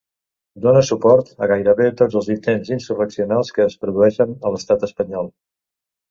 Dóna suport a gairebé tots els intents insurreccionals que es produeixen a l'Estat espanyol.